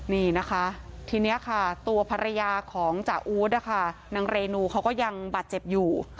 นี่นะคะทีนี้ค่ะตัวภรรยาของจ่าอู๊ดนะคะนางเรนูเขาก็ยังบาดเจ็บอยู่